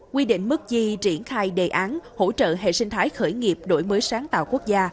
quy định mức chi triển khai đề án hỗ trợ hệ sinh thái khởi nghiệp đổi mới sáng tạo quốc gia